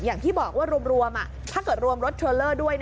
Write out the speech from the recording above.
อย่างที่บอกว่ารวมถ้าเกิดรวมรถเทรลเลอร์ด้วย